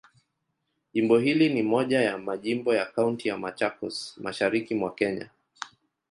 Jimbo hili ni moja ya majimbo ya Kaunti ya Machakos, Mashariki mwa Kenya.